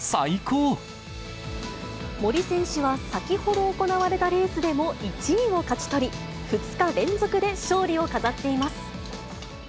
森選手は先ほど行われたレースでも１位を勝ち取り、２日連続で勝利を飾っています。